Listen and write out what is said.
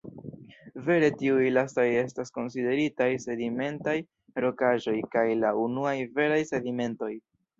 Vere tiuj lastaj estas konsideritaj sedimentaj rokaĵoj kaj la unuaj veraj sedimentoj.